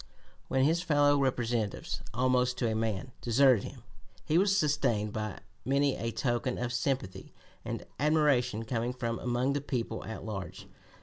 When his fellow Representatives, almost to a man, deserted him, he was sustained by many a token of sympathy and admiration coming from among the people at large.